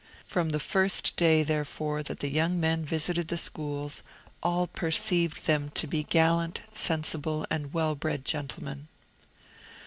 From the first day, therefore, that the young men visited the schools, all perceived them to be gallant, sensible, and well bred gentlemen.